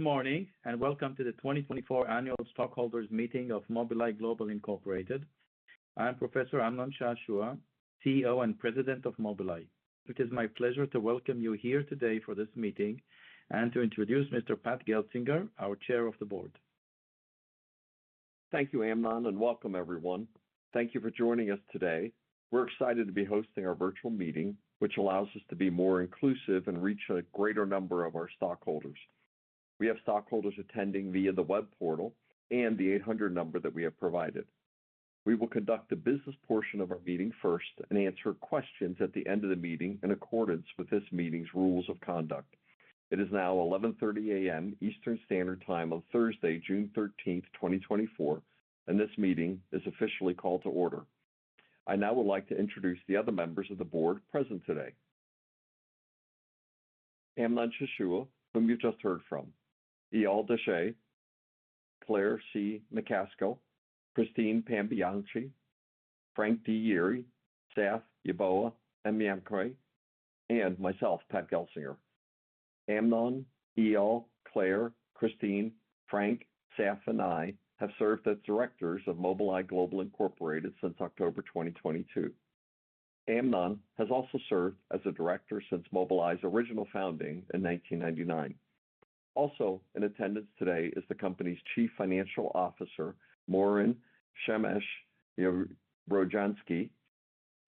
Good morning and welcome to the 2024 Annual Stockholders' Meeting of Mobileye Global Inc. I am Professor Amnon Shashua, CEO and President of Mobileye. It is my pleasure to welcome you here today for this meeting and to introduce Mr. Pat Gelsinger, our Chair of the Board. Thank you, Amnon, and welcome everyone. Thank you for joining us today. We're excited to be hosting our virtual meeting, which allows us to be more inclusive and reach a greater number of our stockholders. We have stockholders attending via the web portal and the 800 number that we have provided. We will conduct the business portion of our meeting first and answer questions at the end of the meeting in accordance with this meeting's rules of conduct. It is now 11:30 A.M. Eastern Standard Time on Thursday, June 13th, 2024, and this meeting is officially called to order. I now would like to introduce the other members of the Board present today: Amnon Shashua, whom you just heard from, Eyal Desheh, Claire C. McCaskill, Christine Pambianchi, Frank D. Yeary, Saf Yeboah-Amankwah, and myself, Pat Gelsinger. Amnon, Eyal, Claire, Christine, Frank, Saf, and I have served as directors of Mobileye Global Incorporated since October 2022. Amnon has also served as a director since Mobileye's original founding in 1999. Also, in attendance today is the company's Chief Financial Officer, Moran Shemesh Rojansky.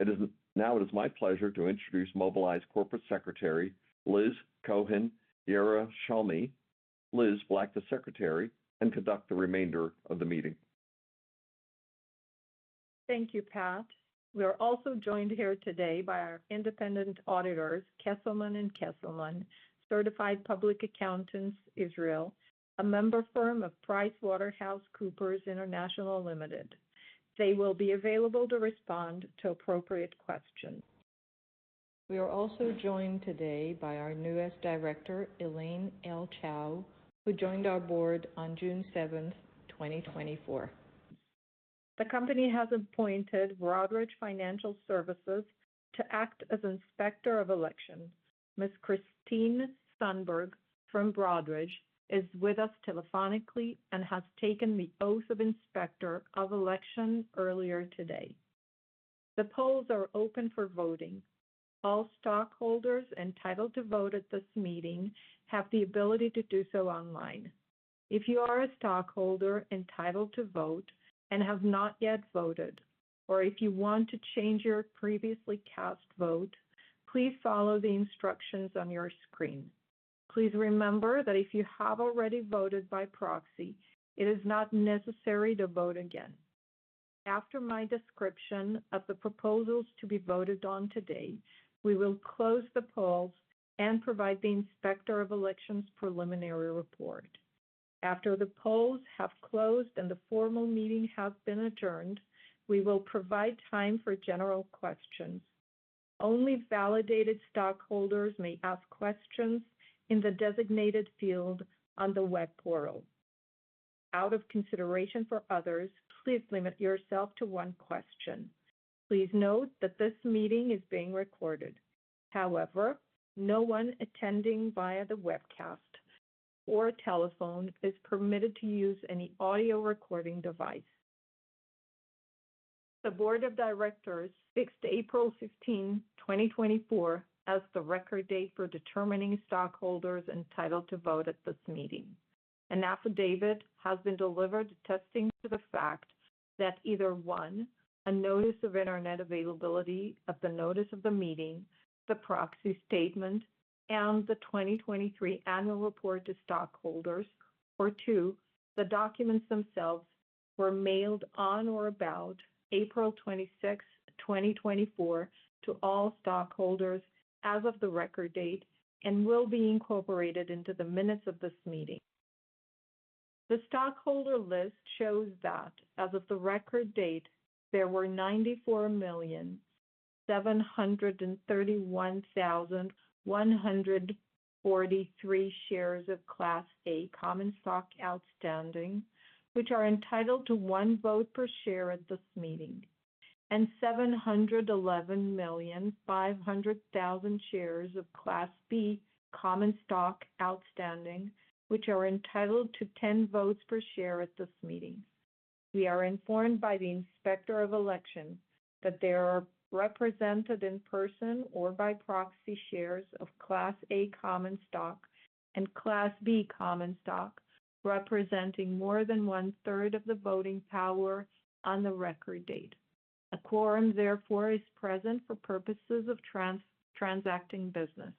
It is now my pleasure to introduce Mobileye's Corporate Secretary, Liz Cohen-Yerushalmi. Liz, act as the Secretary, and conduct the remainder of the meeting. Thank you, Pat. We are also joined here today by our independent auditors, Kesselman & Kesselman, Certified Public Accountants, Israel, a member firm of PricewaterhouseCoopers International Limited. They will be available to respond to appropriate questions. We are also joined today by our newest director, Elaine L. Chao, who joined our Board on June 7, 2024. The company has appointed Broadridge Financial Solutions to act as Inspector of Elections. Ms. Kristin Sundberg from Broadridge is with us telephonically and has taken the oath of Inspector of Elections earlier today. The polls are open for voting. All stockholders entitled to vote at this meeting have the ability to do so online. If you are a stockholder entitled to vote and have not yet voted, or if you want to change your previously cast vote, please follow the instructions on your screen. Please remember that if you have already voted by proxy, it is not necessary to vote again. After my description of the proposals to be voted on today, we will close the polls and provide the Inspector of Elections preliminary report. After the polls have closed and the formal meeting has been adjourned, we will provide time for general questions. Only validated stockholders may ask questions in the designated field on the web portal. Out of consideration for others, please limit yourself to one question. Please note that this meeting is being recorded. However, no one attending via the webcast or telephone is permitted to use any audio recording device. The Board of Directors fixed April 15, 2024, as the record date for determining stockholders entitled to vote at this meeting. An affidavit has been delivered attesting to the fact that either: one, a notice of internet availability at the notice of the meeting; the proxy statement; and the 2023 Annual Report to Stockholders; or two, the documents themselves were mailed on or about April 26, 2024, to all stockholders as of the record date and will be incorporated into the minutes of this meeting. The stockholder list shows that, as of the Record Date, there were 94,731,143 shares of Class A Common Stock outstanding, which are entitled to one vote per share at this meeting, and 711,500,000 shares of Class B Common Stock outstanding, which are entitled to ten votes per share at this meeting. We are informed by the Inspector of Elections that there are represented in person or by proxy shares of Class A Common Stock and Class B Common Stock representing more than one-third of the voting power on the Record Date. A quorum, therefore, is present for purposes of transacting business.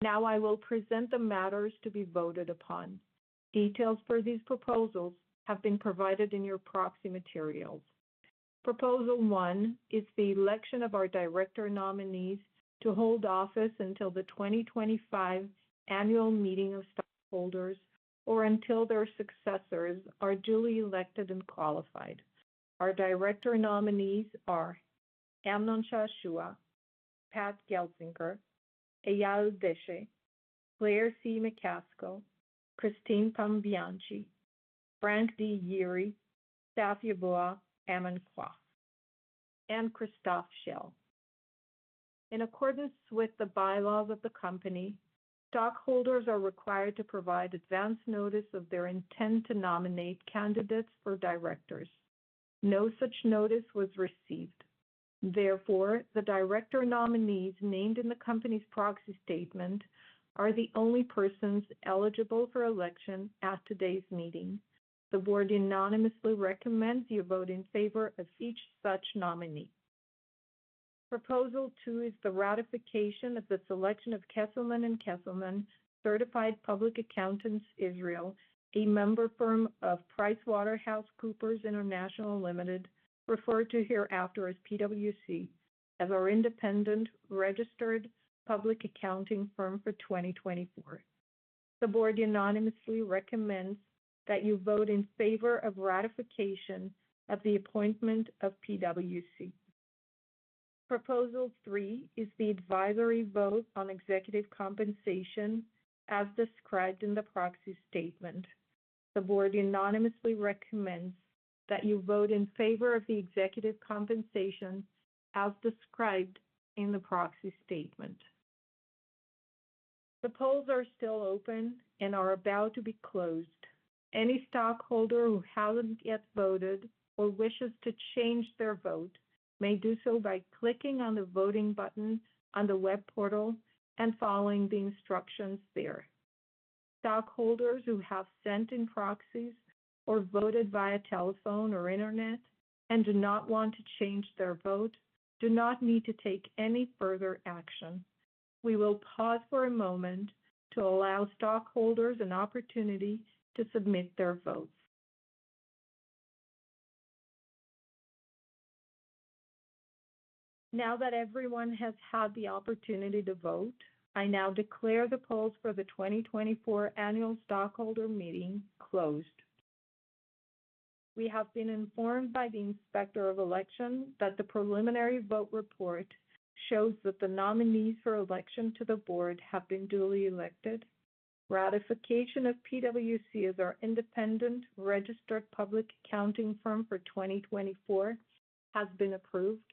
Now I will present the matters to be voted upon. Details for these proposals have been provided in your proxy materials. Proposal one is the election of our Director Nominees to hold office until the 2025 Annual Meeting of Stockholders or until their successors are duly elected and qualified. Our Director Nominees are Amnon Shashua, Patrick P. Gelsinger, Eyal Desheh, Claire C. McCaskill, Christine Pambianchi, Frank D. Yeary, Saf Yeboah-Amankwah, Moran Shemesh Rojansky, and Christoph Schell. In accordance with the bylaws of the company, stockholders are required to provide advance notice of their intent to nominate candidates for directors. No such notice was received. Therefore, the Director Nominees named in the company's proxy statement are the only persons eligible for election at today's meeting. The Board unanimously recommends you vote in favor of each such nominee. Proposal two is the ratification of the selection of Kesselman & Kesselman, certified public accountants in Israel, a member firm of PricewaterhouseCoopers International Limited, referred to hereafter as PwC, as our independent registered public accounting firm for 2024. The Board unanimously recommends that you vote in favor of ratification of the appointment of PwC. Proposal three is the advisory vote on executive compensation as described in the proxy statement. The Board unanimously recommends that you vote in favor of the executive compensation as described in the proxy statement. The polls are still open and are about to be closed. Any stockholder who hasn't yet voted or wishes to change their vote may do so by clicking on the voting button on the web portal and following the instructions there. Stockholders who have sent in proxies or voted via telephone or internet and do not want to change their vote do not need to take any further action. We will pause for a moment to allow stockholders an opportunity to submit their votes. Now that everyone has had the opportunity to vote, I now declare the polls for the 2024 Annual Stockholders' Meeting closed. We have been informed by the Inspector of Elections that the preliminary vote report shows that the nominees for election to the Board have been duly elected. Ratification of PwC as our independent registered public accounting firm for 2024 has been approved,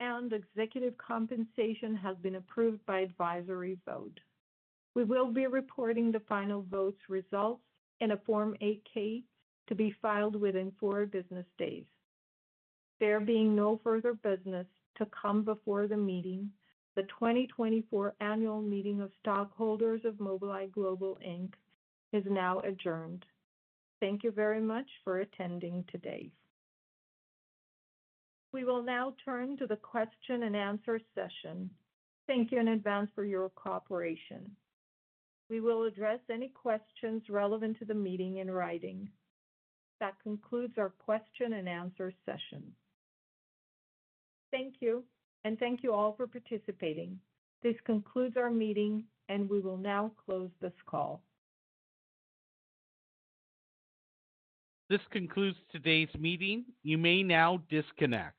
and executive compensation has been approved by advisory vote. We will be reporting the final votes' results in a Form 8-K to be filed within 4 business days. There being no further business to come before the meeting, the 2024 Annual Meeting of Stockholders of Mobileye Global Inc. is now adjourned. Thank you very much for attending today. We will now turn to the question and answer session. Thank you in advance for your cooperation. We will address any questions relevant to the meeting in writing. That concludes our question and answer session. Thank you, and thank you all for participating. This concludes our meeting, and we will now close this call. This concludes today's meeting. You may now disconnect.